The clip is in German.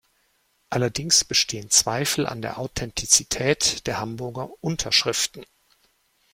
Allerdings bestehen Zweifel an der Authentizität der Hamburger „Unterschriften“.